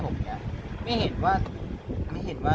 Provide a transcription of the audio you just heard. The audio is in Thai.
พี่พอแล้วพี่พอแล้ว